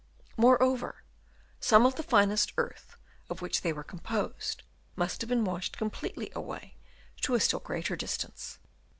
Moreover some of the finest earth of which they were com posed must have been washed completely away to a still greater distance.